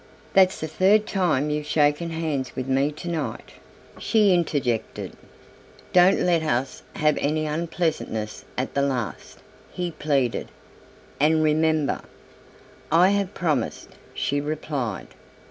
"That's the third time you've shaken hands with me to night," she interjected. "Don't let us have any unpleasantness at the last," he pleaded, "and remember." "I have promised," she replied.